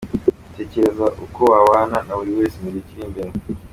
Tekereza uko wabana na buri wese mu gihe kiri imbere